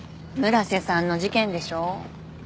村瀬さんの事件でしょ？